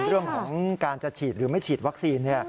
เรื่องของการจะฉีดหรือไม่ฉีดวัคซีน